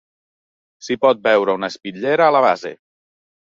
S'hi pot veure una espitllera a la base.